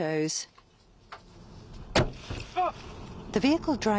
あっ！